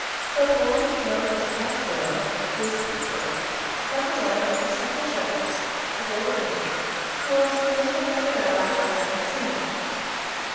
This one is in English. The poem known as the Pastoral gives a picture of the life of the simple shepherds of the golden age, who are supposed to have beguiled their time in singing.